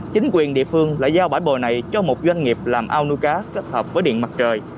chính quyền địa phương lại giao bãi bồi này cho một doanh nghiệp làm ao nuôi cá kết hợp với điện mặt trời